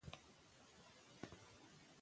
په ځینو کلتورونو کې ناروغي د ناکامۍ نښه ګڼل کېږي.